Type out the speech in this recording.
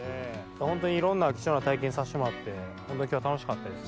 本当にいろんな貴重な体験さしてもらってホントに今日は楽しかったです。